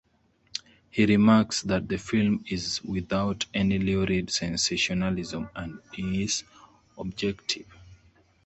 He remarks that the film is without any lurid sensationalism and is objective.